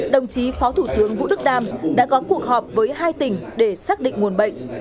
đồng chí phó thủ tướng vũ đức đam đã có cuộc họp với hai tỉnh để xác định nguồn bệnh